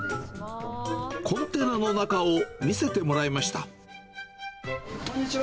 コンテナの中を見せてもらいこんにちは。